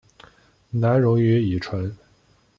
难溶于乙醇。